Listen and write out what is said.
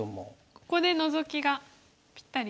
ここでノゾキがぴったり。